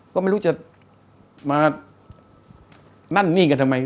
ก็ไม่รู้จะมานั่นนี่กันทำไม